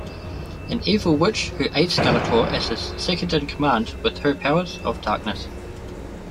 An evil witch who aids Skeletor as his second-in-command with her powers of darkness.